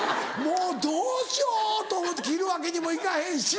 もうどうしようと思って切るわけにもいかへんし。